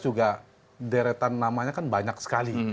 juga deretan namanya kan banyak sekali